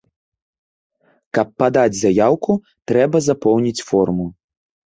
Каб падаць заяўку, трэба запоўніць форму.